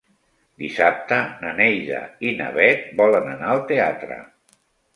Dissabte na Neida i na Bet volen anar al teatre.